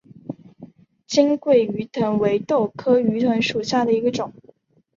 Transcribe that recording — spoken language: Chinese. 黔桂鱼藤为豆科鱼藤属下的一个种。